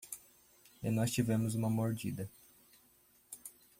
E nós tivemos uma mordida.